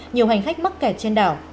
nhiều hành khách mắc kẹt trên đảo